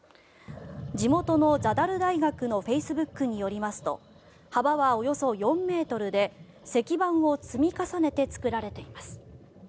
地元のザダル大学のフェイスブックによりますと幅はおよそ４ｍで石板を積み重ねて作られています。